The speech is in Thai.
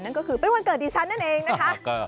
นั่นก็คือเป็นวันเกิดดิฉันนั่นเองนะคะ